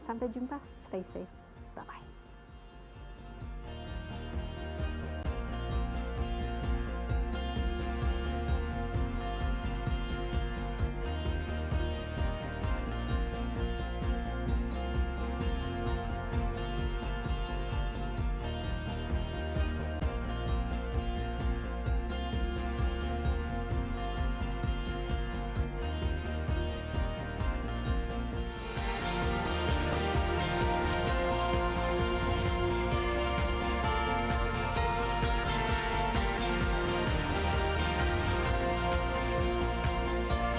sampai jumpa stay safe bye bye